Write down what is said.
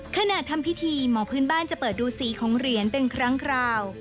ขณะทำพิธีหมอพื้นบ้านจะเปิดดูสีของเหรียญเป็นครั้งคราว